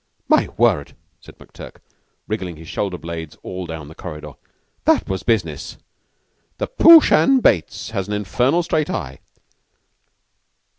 "My word!" said McTurk, wriggling his shoulder blades all down the corridor. "That was business! The Prooshan Bates has an infernal straight eye."